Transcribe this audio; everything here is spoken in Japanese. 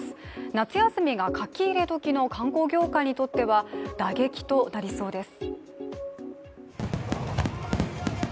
夏休みが書き入れ時の観光業界にとっては打撃となりそうです。